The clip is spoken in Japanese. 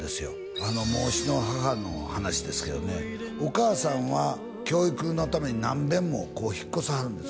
あの孟子の母の話ですけどねお母さんは教育のために何遍もこう引っ越さはるんです